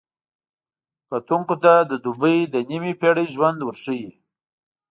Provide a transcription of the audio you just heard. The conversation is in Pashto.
کتونکو ته د دوبۍ د نیمې پېړۍ ژوند ورښيي.